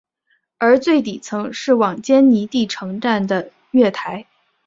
而最底层是往坚尼地城站的月台。